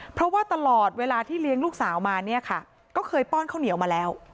เพราะว่าตลอดเวลาที่เลี้ยงลูกสาวมาเนี่ยค่ะก็เคยป้อนข้าวเหนียวมาแล้ว